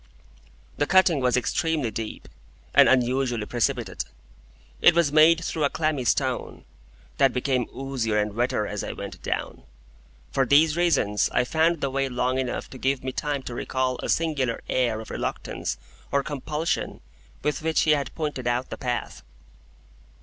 The cutting was extremely deep, and unusually precipitate. It was made through a clammy stone, that became oozier and wetter as I went down. For these reasons, I found the way long enough to give me time to recall a singular air of reluctance or compulsion with which he had pointed out the path.